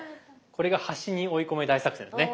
これが端に追い込め大作戦ね。